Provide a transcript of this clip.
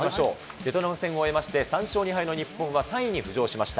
ベトナム戦を終えまして、３勝２敗の日本は３位に浮上しました。